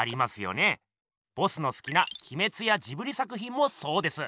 ボスのすきな鬼滅やジブリ作ひんもそうです。